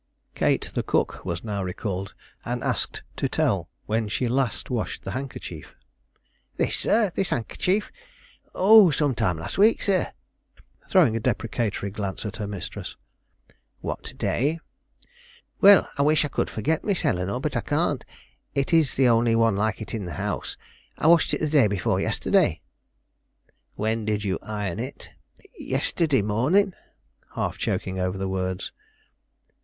Kate, the cook, was now recalled, and asked to tell when she last washed the handkerchief? "This, sir; this handkerchief? Oh, some time this week, sir," throwing a deprecatory glance at her mistress. "What day?" "Well, I wish I could forget, Miss Eleanore, but I can't. It is the only one like it in the house. I washed it day before yesterday." "When did you iron it?" "Yesterday morning," half choking over the words.